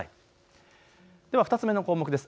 では２つ目の項目です。